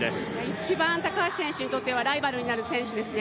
一番、高橋選手にとってはライバルになる選手ですね。